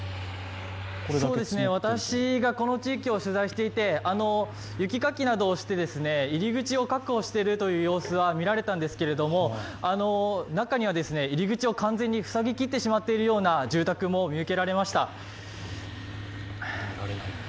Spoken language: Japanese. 私がこの地域を取材していて、雪かきなどをして入り口を確保しているという様子はみられたんですけれども、中には入り口を完全に塞ぎきってしまっているような住宅も見受けられました。